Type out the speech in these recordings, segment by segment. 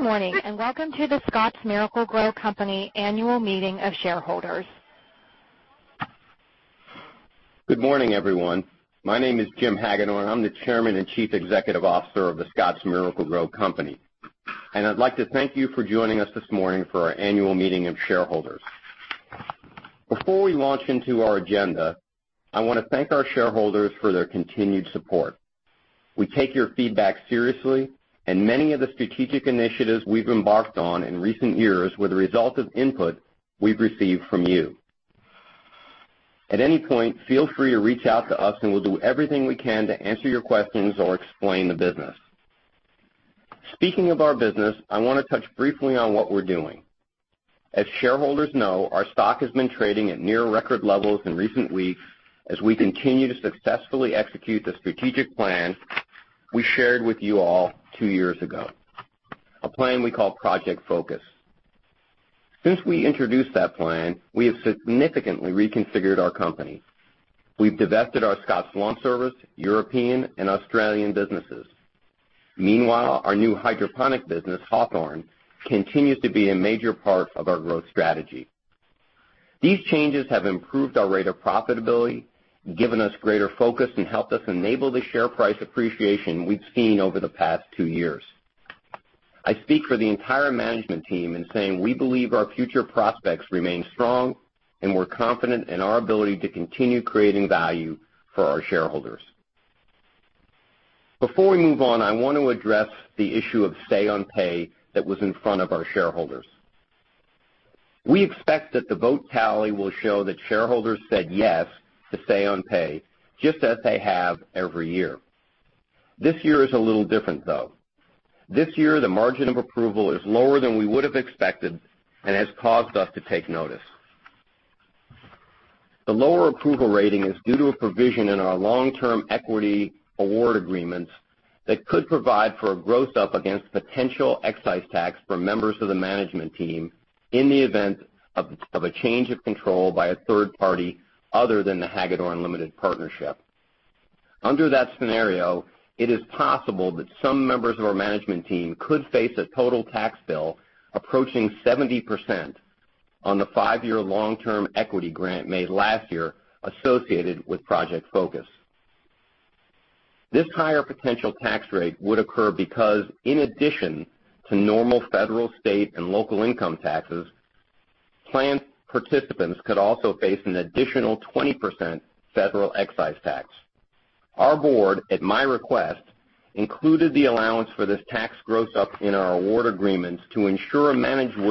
Good morning, welcome to The Scotts Miracle-Gro Company annual meeting of shareholders. Good morning, everyone. My name is Jim Hagedorn. I'm the Chairman and Chief Executive Officer of The Scotts Miracle-Gro Company. I'd like to thank you for joining us this morning for our annual meeting of shareholders. Before we launch into our agenda, I want to thank our shareholders for their continued support. We take your feedback seriously, and many of the strategic initiatives we've embarked on in recent years were the result of input we've received from you. At any point, feel free to reach out to us and we'll do everything we can to answer your questions or explain the business. Speaking of our business, I want to touch briefly on what we're doing. As shareholders know, our stock has been trading at near record levels in recent weeks as we continue to successfully execute the strategic plan we shared with you all two years ago, a plan we call Project Focus. Since we introduced that plan, we have significantly reconfigured our company. We've divested our Scotts LawnService, European, and Australian businesses. Meanwhile, our new hydroponic business, Hawthorne, continues to be a major part of our growth strategy. These changes have improved our rate of profitability, given us greater focus, and helped us enable the share price appreciation we've seen over the past two years. I speak for the entire management team in saying we believe our future prospects remain strong, and we're confident in our ability to continue creating value for our shareholders. Before we move on, I want to address the issue of say on pay that was in front of our shareholders. We expect that the vote tally will show that shareholders said yes to say on pay, just as they have every year. This year is a little different, though. This year, the margin of approval is lower than we would have expected and has caused us to take notice. The lower approval rating is due to a provision in our long-term equity award agreements that could provide for a gross up against potential excise tax for members of the management team in the event of a change of control by a third party other than the Hagedorn Limited Partnership. Under that scenario, it is possible that some members of our management team could face a total tax bill approaching 70% on the five-year long-term equity grant made last year associated with Project Focus. This higher potential tax rate would occur because in addition to normal federal, state, and local income taxes, plan participants could also face an additional 20% federal excise tax. Our board, at my request, included the allowance for this tax gross up in our award agreements to ensure management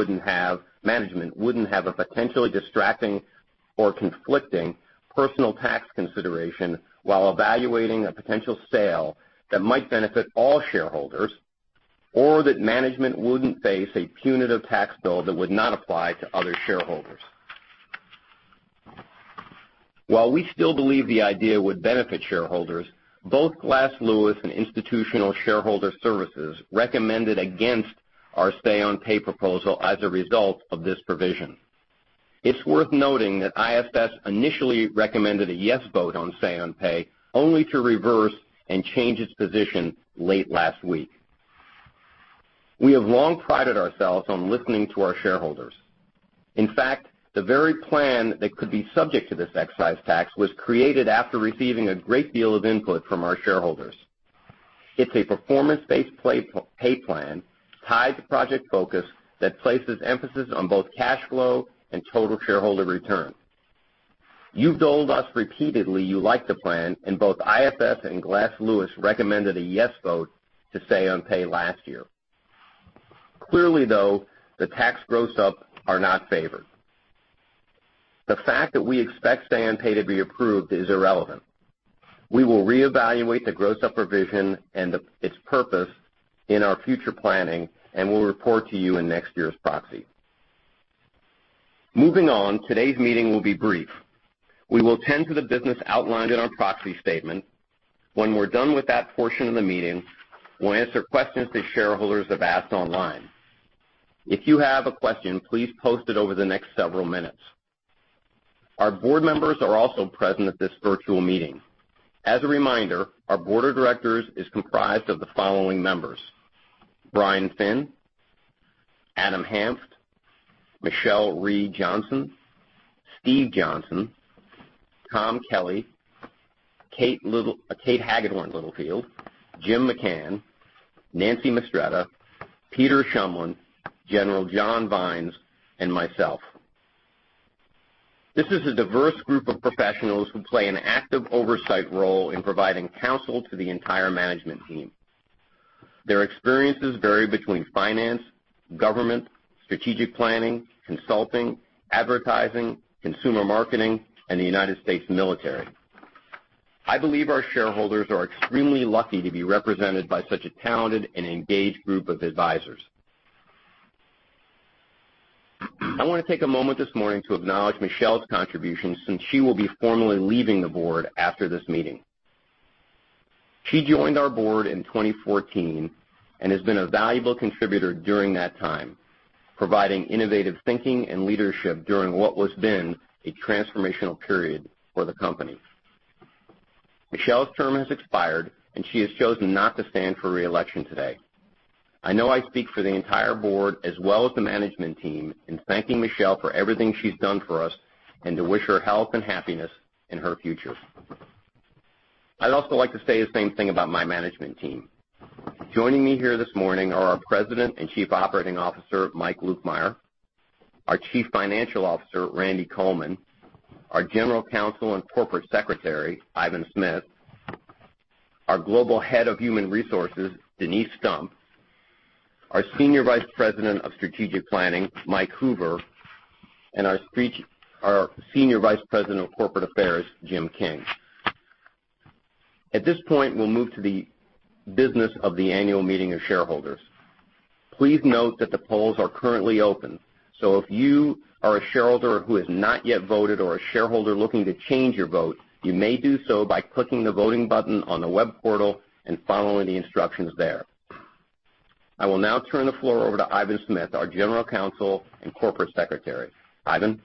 wouldn't have a potentially distracting or conflicting personal tax consideration while evaluating a potential sale that might benefit all shareholders, or that management wouldn't face a punitive tax bill that would not apply to other shareholders. While we still believe the idea would benefit shareholders, both Glass Lewis and Institutional Shareholder Services recommended against our say on pay proposal as a result of this provision. It's worth noting that ISS initially recommended a yes vote on say on pay, only to reverse and change its position late last week. We have long prided ourselves on listening to our shareholders. In fact, the very plan that could be subject to this excise tax was created after receiving a great deal of input from our shareholders. It's a performance-based pay plan tied to Project Focus that places emphasis on both cash flow and total shareholder return. You've told us repeatedly you like the plan, and both ISS and Glass Lewis recommended a yes vote to say on pay last year. Clearly, though, the tax gross up are not favored. The fact that we expect say on pay to be approved is irrelevant. We will reevaluate the gross up provision and its purpose in our future planning and will report to you in next year's proxy. Moving on, today's meeting will be brief. We will tend to the business outlined in our proxy statement. When we're done with that portion of the meeting, we'll answer questions that shareholders have asked online. If you have a question, please post it over the next several minutes. Our board members are also present at this virtual meeting. As a reminder, our board of directors is comprised of the following members: Brian Finn, Adam Hanft, Michelle Reed Johnson, Steve Johnson, Tom Kelly, Kate Hagedorn Littlefield, Jim McCann, Nancy Mistretta, Peter Shumlin, General John Vines, and myself. This is a diverse group of professionals who play an active oversight role in providing counsel to the entire management team. Their experiences vary between finance, government, strategic planning, consulting, advertising, consumer marketing, and the United States military. I believe our shareholders are extremely lucky to be represented by such a talented and engaged group of advisors. I want to take a moment this morning to acknowledge Michelle's contributions since she will be formally leaving the board after this meeting. She joined our board in 2014 and has been a valuable contributor during that time, providing innovative thinking and leadership during what has been a transformational period for the company. Michelle's term has expired, and she has chosen not to stand for re-election today. I know I speak for the entire board as well as the management team in thanking Michelle for everything she's done for us and to wish her health and happiness in her future. I'd also like to say the same thing about my management team. Joining me here this morning are our President and Chief Operating Officer, Mike Lukemire, our Chief Financial Officer, Randy Coleman, our General Counsel and Corporate Secretary, Ivan Smith, our Global Head of Human Resources, Denise Stump, our Senior Vice President of Strategic Planning, Mike Hoover, and our Senior Vice President of Corporate Affairs, Jim King. At this point, we'll move to the business of the annual meeting of shareholders. Please note that the polls are currently open, so if you are a shareholder who has not yet voted or a shareholder looking to change your vote, you may do so by clicking the voting button on the web portal and following the instructions there. I will now turn the floor over to Ivan Smith, our General Counsel and Corporate Secretary. Ivan?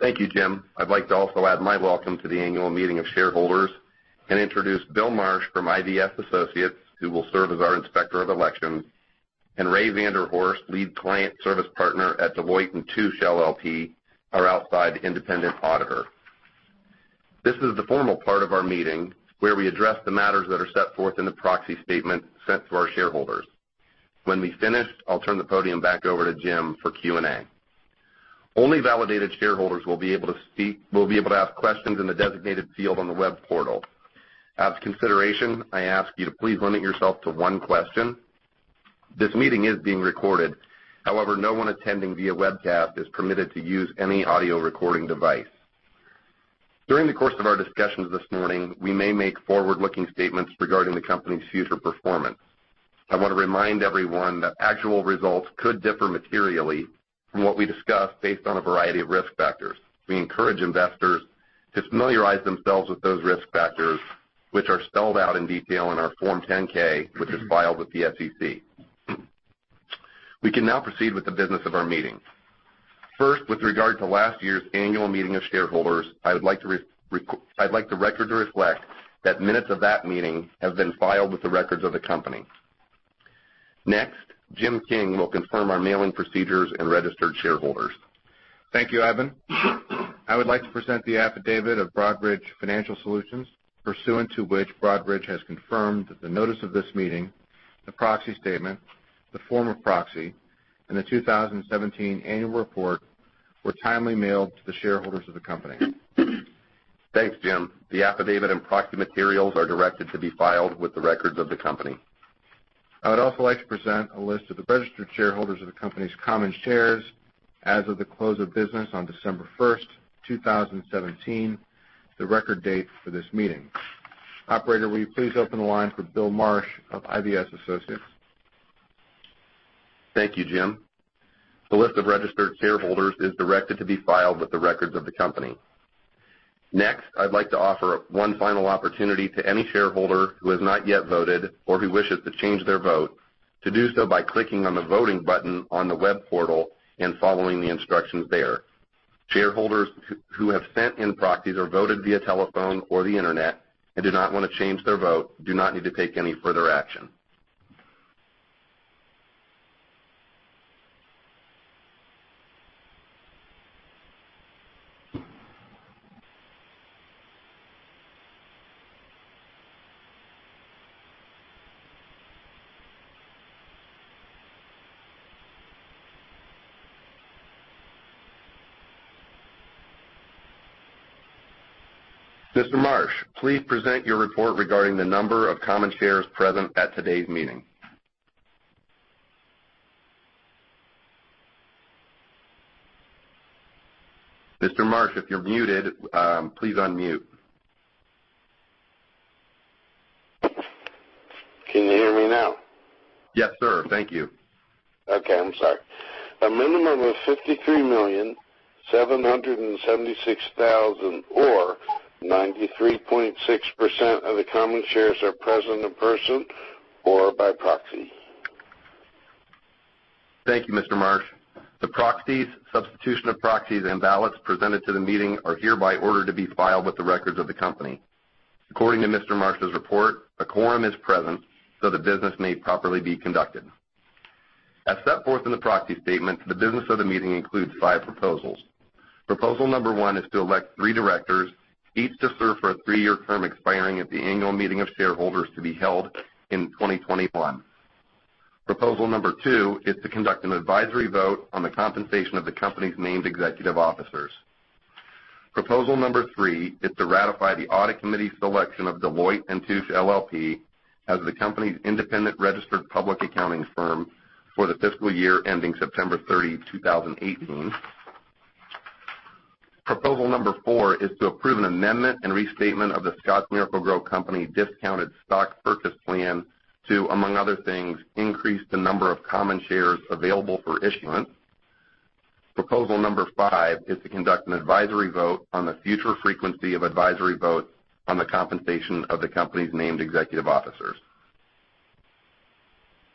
Thank you, Jim. I'd like to also add my welcome to the annual meeting of shareholders and introduce Bill Marsh from IVS Associates, who will serve as our Inspector of Election, and Ray Vander Horst, Lead Client Service Partner at Deloitte & Touche LLP, our outside independent auditor. This is the formal part of our meeting where we address the matters that are set forth in the proxy statement sent to our shareholders. When we finish, I'll turn the podium back over to Jim for Q&A. Only validated shareholders will be able to ask questions in the designated field on the web portal. As a consideration, I ask you to please limit yourself to one question. This meeting is being recorded. However, no one attending via webcast is permitted to use any audio recording device. During the course of our discussions this morning, we may make forward-looking statements regarding the company's future performance. I want to remind everyone that actual results could differ materially from what we discuss based on a variety of risk factors. We encourage investors to familiarize themselves with those risk factors, which are spelled out in detail in our Form 10-K, which is filed with the SEC. We can now proceed with the business of our meeting. First, with regard to last year's annual meeting of shareholders, I'd like the record to reflect that minutes of that meeting have been filed with the records of the company. Next, Jim King will confirm our mailing procedures and registered shareholders. Thank you, Ivan. I would like to present the affidavit of Broadridge Financial Solutions, pursuant to which Broadridge has confirmed that the notice of this meeting, the proxy statement, the form of proxy, and the 2017 annual report were timely mailed to the shareholders of the company. Thanks, Jim. The affidavit and proxy materials are directed to be filed with the records of the company. I would also like to present a list of the registered shareholders of the company's common shares as of the close of business on December 1st, 2017, the record date for this meeting. Operator, will you please open the line for Bill Marsh of IVS Associates? Thank you, Jim. The list of registered shareholders is directed to be filed with the records of the company. I'd like to offer one final opportunity to any shareholder who has not yet voted or who wishes to change their vote to do so by clicking on the voting button on the web portal and following the instructions there. Shareholders who have sent in proxies or voted via telephone or the internet and do not want to change their vote do not need to take any further action. Mr. Marsh, please present your report regarding the number of common shares present at today's meeting. Mr. Marsh, if you're muted, please unmute. Can you hear me now? Yes, sir. Thank you. Okay. I'm sorry. A minimum of 53,776,000 or 93.6% of the common shares are present in person or by proxy. Thank you, Mr. Marsh. The proxies, substitution of proxies, and ballots presented to the meeting are hereby ordered to be filed with the records of the company. According to Mr. Marsh's report, a quorum is present. The business may properly be conducted. As set forth in the proxy statement, the business of the meeting includes five proposals. Proposal number one is to elect three directors, each to serve for a three-year term expiring at the annual meeting of shareholders to be held in 2021. Proposal number two is to conduct an advisory vote on the compensation of the company's named executive officers. Proposal number three is to ratify the Audit Committee's selection of Deloitte & Touche LLP as the company's independent registered public accounting firm for the fiscal year ending September 30, 2018. Proposal number four is to approve an amendment and restatement of The Scotts Miracle-Gro Company Discounted Stock Purchase Plan to, among other things, increase the number of common shares available for issuance. Proposal number five is to conduct an advisory vote on the future frequency of advisory votes on the compensation of the company's named executive officers.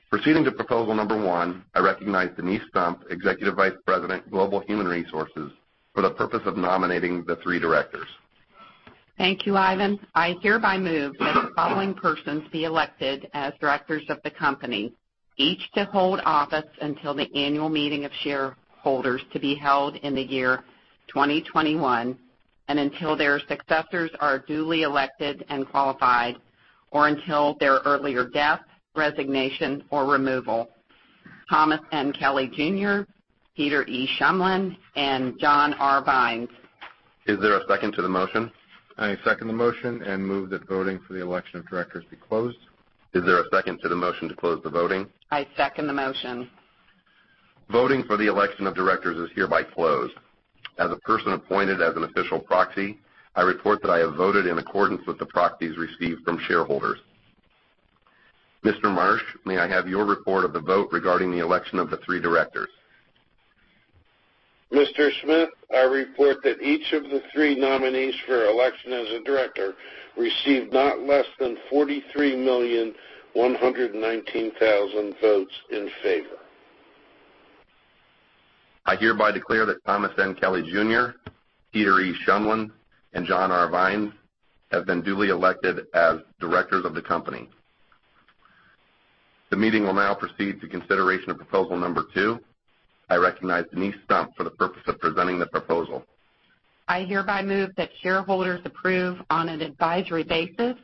Proceeding to proposal number one, I recognize Denise Stump, Executive Vice President, Global Human Resources, for the purpose of nominating the three directors. Thank you, Ivan. I hereby move that the following persons be elected as directors of the company, each to hold office until the annual meeting of shareholders to be held in the year 2021, and until their successors are duly elected and qualified, or until their earlier death, resignation, or removal. Thomas N. Kelly Jr., Peter E. Shumlin, and John R. Vines. Is there a second to the motion? I second the motion and move that voting for the election of directors be closed. Is there a second to the motion to close the voting? I second the motion. Voting for the election of directors is hereby closed. As a person appointed as an official proxy, I report that I have voted in accordance with the proxies received from shareholders. Mr. Marsh, may I have your report of the vote regarding the election of the three directors? Mr. Smith, I report that each of the three nominees for election as a director received not less than 43,119,000 votes in favor. I hereby declare that Thomas N. Kelly Jr., Peter E. Shumlin, and John R. Vines have been duly elected as directors of the company. The meeting will now proceed to consideration of proposal number two. I recognize Denise Stump for the purpose of presenting the proposal. I hereby move that shareholders approve on an advisory basis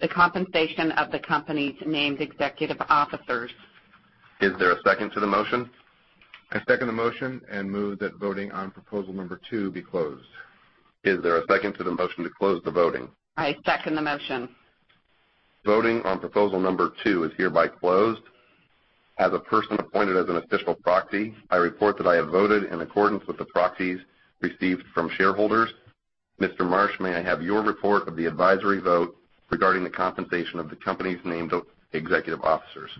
the compensation of the company's named executive officers. Is there a second to the motion? I second the motion and move that voting on proposal number 2 be closed. Is there a second to the motion to close the voting? I second the motion. Voting on proposal number two is hereby closed. As a person appointed as an official proxy, I report that I have voted in accordance with the proxies received from shareholders. Mr. Marsh, may I have your report of the advisory vote regarding the compensation of the company's named executive officers?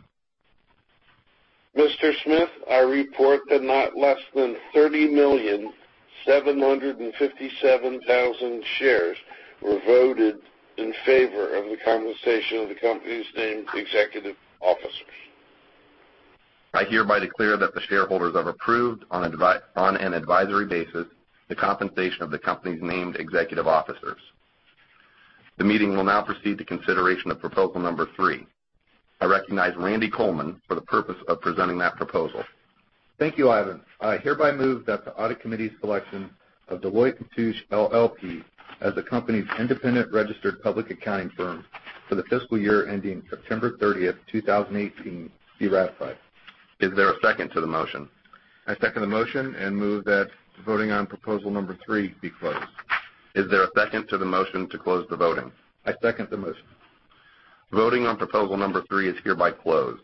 Mr. Smith, I report that not less than 30,757,000 shares were voted in favor of the compensation of the company's named executive officers. I hereby declare that the shareholders have approved, on an advisory basis, the compensation of the company's named executive officers. The meeting will now proceed to consideration of proposal number three. I recognize Randy Coleman for the purpose of presenting that proposal. Thank you, Ivan. I hereby move that the Audit Committee's selection of Deloitte & Touche LLP as the company's independent registered public accounting firm for the fiscal year ending September 30, 2018, be ratified. Is there a second to the motion? I second the motion and move that voting on proposal number 3 be closed. Is there a second to the motion to close the voting? I second the motion. Voting on proposal number three is hereby closed.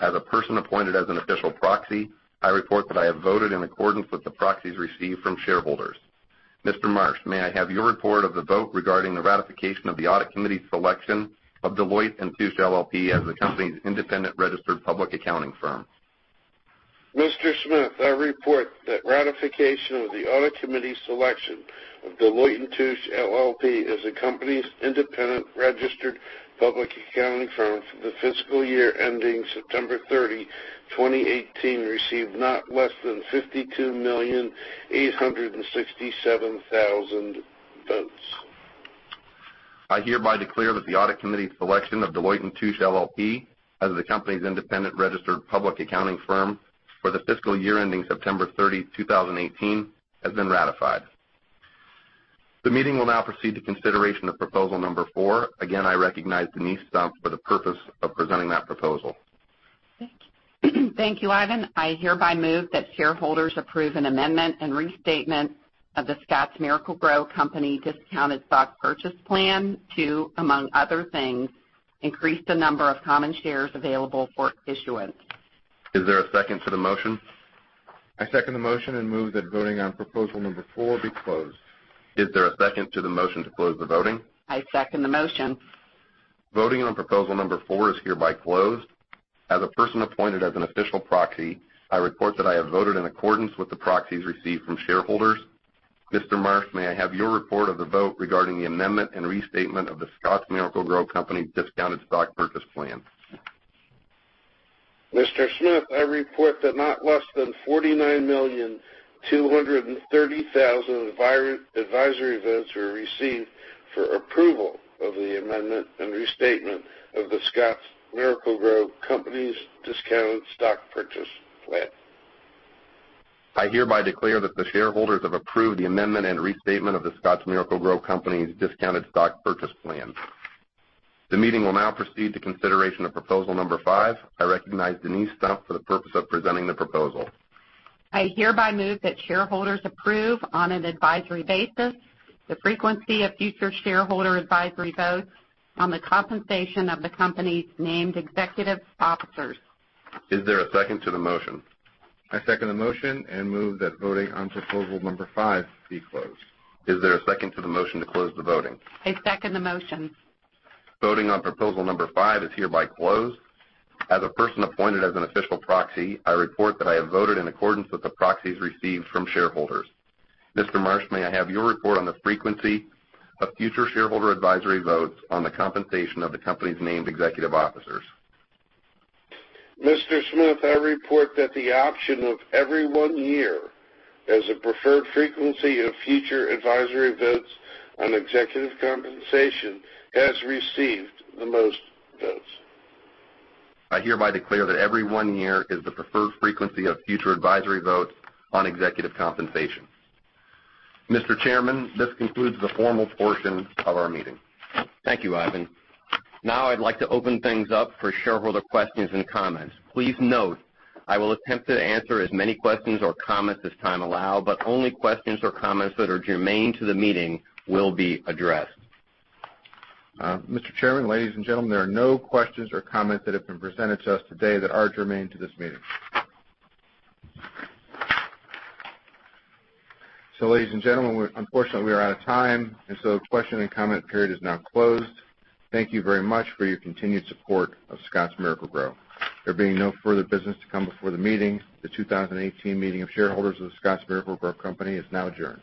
As a person appointed as an official proxy, I report that I have voted in accordance with the proxies received from shareholders. Mr. Marsh, may I have your report of the vote regarding the ratification of the Audit Committee's selection of Deloitte & Touche LLP as the company's independent registered public accounting firm? Mr. Smith, I report that ratification of the Audit Committee's selection of Deloitte & Touche LLP as the company's independent registered public accounting firm for the fiscal year ending September 30, 2018, received not less than 52,867,000 votes. I hereby declare that the Audit Committee's selection of Deloitte & Touche LLP as the company's independent registered public accounting firm for the fiscal year ending September 30, 2018, has been ratified. The meeting will now proceed to consideration of proposal number four. Again, I recognize Denise Stump for the purpose of presenting that proposal. Thank you, Ivan. I hereby move that shareholders approve an amendment and restatement of The Scotts Miracle-Gro Company Discounted Stock Purchase Plan to, among other things, increase the number of common shares available for issuance. Is there a second to the motion? I second the motion and move that voting on proposal number four be closed. Is there a second to the motion to close the voting? I second the motion. Voting on proposal number four is hereby closed. As a person appointed as an official proxy, I report that I have voted in accordance with the proxies received from shareholders. Mr. Marsh, may I have your report of the vote regarding the amendment and restatement of The Scotts Miracle-Gro Company Discounted Stock Purchase Plan? Mr. Smith, I report that not less than 49,230,000 advisory votes were received for approval of the amendment and restatement of The Scotts Miracle-Gro Company's Discounted Stock Purchase Plan. I hereby declare that the shareholders have approved the amendment and restatement of The Scotts Miracle-Gro Company's Discounted Stock Purchase Plan. The meeting will now proceed to consideration of proposal number five. I recognize Denise Stump for the purpose of presenting the proposal. I hereby move that shareholders approve, on an advisory basis, the frequency of future shareholder advisory votes on the compensation of the company's named executive officers. Is there a second to the motion? I second the motion and move that voting on proposal number 5 be closed. Is there a second to the motion to close the voting? I second the motion. Voting on proposal number five is hereby closed. As a person appointed as an official proxy, I report that I have voted in accordance with the proxies received from shareholders. Mr. Marsh, may I have your report on the frequency of future shareholder advisory votes on the compensation of the company's named executive officers? Mr. Smith, I report that the option of every one year as a preferred frequency of future advisory votes on executive compensation has received the most votes. I hereby declare that every one year is the preferred frequency of future advisory votes on executive compensation. Mr. Chairman, this concludes the formal portion of our meeting. Thank you, Ivan. I'd like to open things up for shareholder questions and comments. Please note, I will attempt to answer as many questions or comments as time allow, but only questions or comments that are germane to the meeting will be addressed. Mr. Chairman, ladies and gentlemen, there are no questions or comments that have been presented to us today that are germane to this meeting. Ladies and gentlemen, unfortunately, we are out of time, the question and comment period is now closed. Thank you very much for your continued support of Scotts Miracle-Gro. There being no further business to come before the meeting, the 2018 meeting of shareholders of The Scotts Miracle-Gro Company is now adjourned.